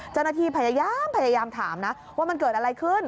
เจ้าหน้าที่พยายามถามนะว่ามันเกิดอะไรขึ้น